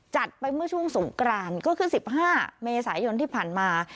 จัดไปเมื่อช่วงสงกรานก็คือ๑๕เมษายนที่ผ่านมา